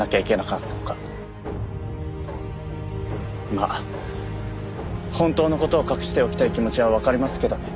まあ本当の事を隠しておきたい気持ちはわかりますけどね。